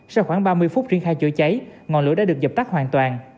sau khoảng ba mươi phút triển khai chữa cháy ngọn lửa đã được dập tắt hoàn toàn